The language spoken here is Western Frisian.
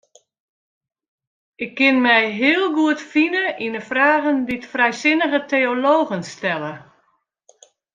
Ik kin my heel goed fine yn de fragen dy't frijsinnige teologen stelle.